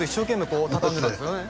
こう畳んでたんですよね？